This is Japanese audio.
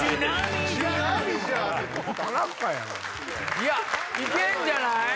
いやいけんじゃない？